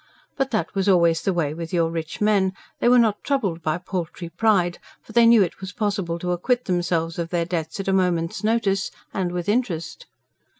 But that was always the way with your rich men; they were not troubled by paltry pride; for they knew it was possible to acquit themselves of their debts at a moment's notice, and with interest.